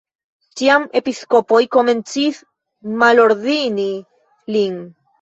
Tiam episkopoj komencis malordini lin.